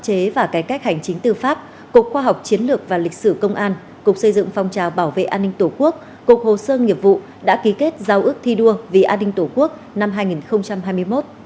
bộ chế và cải cách hành chính tư pháp cục khoa học chiến lược và lịch sử công an cục xây dựng phong trào bảo vệ an ninh tổ quốc cục hồ sơ nghiệp vụ đã ký kết giao ước thi đua vì an ninh tổ quốc năm hai nghìn hai mươi một